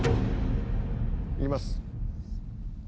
いきます。